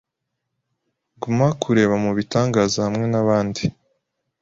Guma kureba mubitangaza hamwe nabandi